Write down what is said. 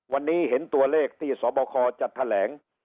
วันนี้เห็นตัวเลขที่สบคจัดแถลง